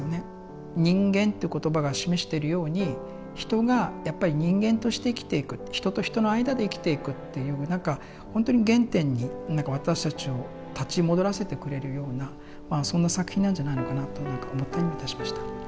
「人間」という言葉が示してるように人がやっぱり人間として生きていく人と人の間で生きていくっていう何かほんとに原点に私たちを立ち戻らせてくれるようなそんな作品なんじゃないのかなと何か思ったりもいたしました。